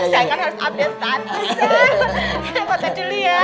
saya kan harus update tadi sam